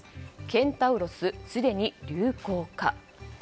ケンタウロス、すでに流行か？